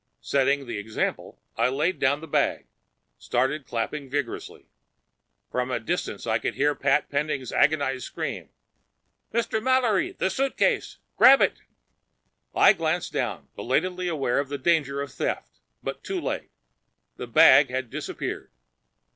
Setting the example, I laid down the bag, started clapping vigorously. From a distance I heard Pat Pending's agonized scream. "Mr. Mallory—the suitcase! Grab it!" I glanced down, belatedly aware of the danger of theft. But too late. The bag had disappeared.